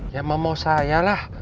ya mau mau sayalah